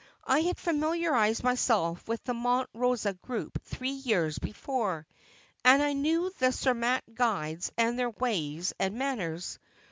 I had familiarised myself with the Monte Rosa group three years before, and I knew the Zermatt guides and their ways and manners.